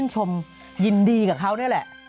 ชมยินดีกับเขานี่แหละ